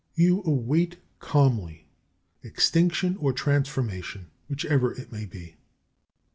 You await calmly extinction or transformation, whichever it may be.